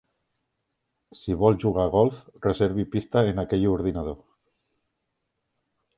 Si vol jugar a golf, reservi pista en aquell ordinador.